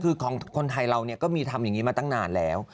คือของคนไทยเราก็มีทำอย่างนี้มาตั้งนานแล้ว